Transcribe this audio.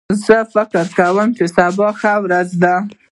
زه فکر کوم چې سبا به ښه ورځ وي